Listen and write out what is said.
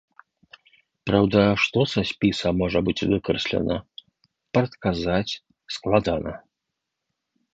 Праўда, што са спіса можа быць выкраслена, прадказаць складана.